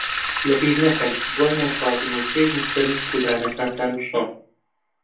لەبیر نەکەن دوای نان خواردن و پێش نووستن ددانەکانتان بشۆن.